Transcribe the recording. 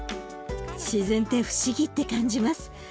自然って不思議って感じます。